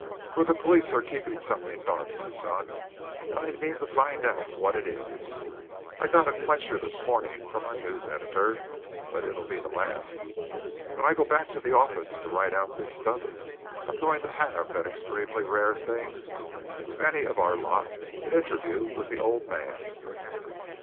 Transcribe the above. For the police are keeping something dark, my son, and I mean to find out what it is. I got a quencher this morning from our news editor, but it'll be the last. When I go back to the office to write out this stuff, I'm going to have that extremely rare thing with any of our lot an interview with the old man."